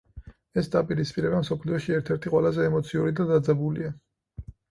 ეს დაპირისპირება მსოფლიოში ერთ-ერთი ყველაზე ემოციური და დაძაბულია.